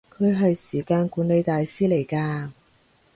佢係時間管理大師嚟㗎